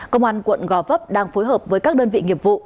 công an quận gò vấp đang phối hợp với các đơn vị nghiệp vụ